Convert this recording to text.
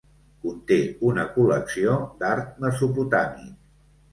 Conté una col·lecció d'art mesopotàmic.